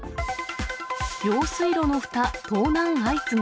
用水路のふた盗難相次ぐ。